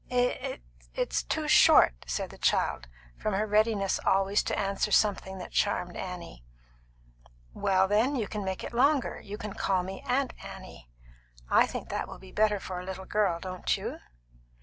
"It's it's too short," said the child, from her readiness always to answer something that charmed Annie. "Well, then you can make it longer. You can call me Aunt Annie. I think that will be better for a little girl; don't you?"